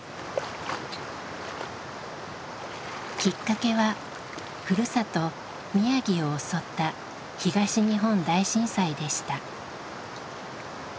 きっかけはふるさと宮城を襲った東日本大震災でした。